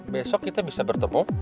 besok kita bisa bertemu